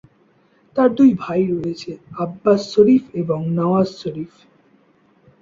তার দুই ভাই রয়েছে, আব্বাস শরীফ, এবং নওয়াজ শরীফ।